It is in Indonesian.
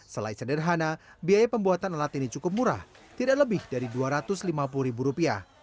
selain sederhana biaya pembuatan alat ini cukup murah tidak lebih dari rp dua ratus lima puluh